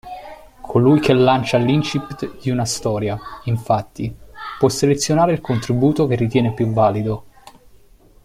Colui che lancia l'incipit di una storia, infatti, può selezionare il contributo che ritiene più valido.